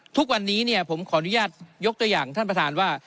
ทุกวันนี้ผมขออนุญาตยกตัวอย่างท่านประธานว่า